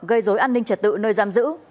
gây dối an ninh trật tự nơi giam giữ